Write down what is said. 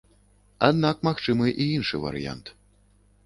Аднак магчымы і іншы варыянт.